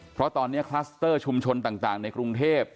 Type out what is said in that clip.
เพราะตอนเนี้ยชุมชนต่างในกรุงเทพฯ